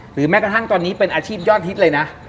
แม้กระทั่งตอนนี้เป็นอาชีพยอดฮิตเลยนะ